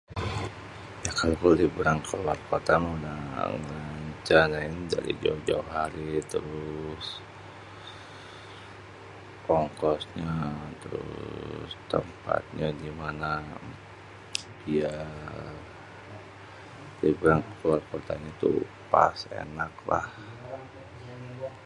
ya kalo liburan ke luar kota mah udah rencanain dari jauh-jauh hari.. terus ongkosnya.. tèrus tempatnya gimana?.. ya liburan ke luar kotanya pas ènak lah..